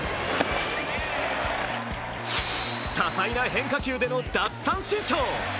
多彩な変化球での奪三振ショー。